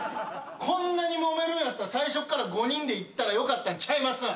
こんなにもめるんやったら最初っから５人で行ったらよかったんちゃいますん